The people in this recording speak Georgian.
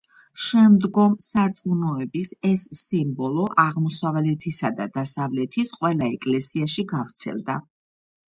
შემდგომ სარწმუნოების ეს სიმბოლო აღმოსავლეთისა და დასავლეთის ყველა ეკლესიაში გავრცელდა.